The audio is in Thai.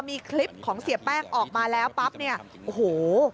มีคลิปของเสียแป้งออกมาแล้วปั๊บเนี่ยโอ้โห